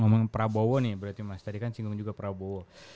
ngomong prabowo nih berarti mas tadi kan singgung juga prabowo